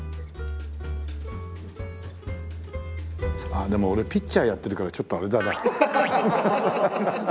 ああでも俺ピッチャーやってるからちょっとあれだな。